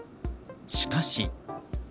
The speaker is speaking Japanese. しかし。